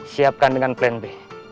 siapkan dengan plan b